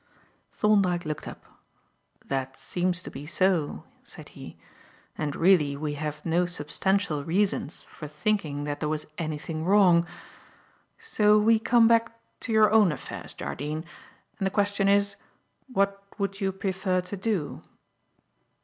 Thorndyke looked up. "That seems to be so," said he, "and really, we have no substantial reasons for thinking that there was anything wrong. So we come back to your own affairs, Jardine, and the question is, What would you prefer to do?"